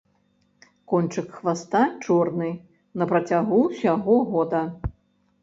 Кончык хваста чорны на працягу ўсяго года.